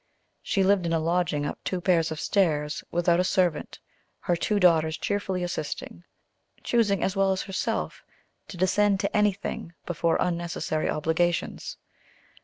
She lived in a lodging up two pairs of stairs, without a servant, her two daughters cheerfully assisting; choosing, as well as herself, to descend to anything before unnecessary obligations.